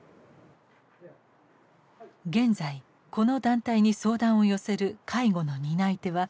現在この団体に相談を寄せる介護の担い手は多くが実の家族。